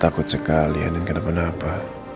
takut sekali anin kenapa kenapa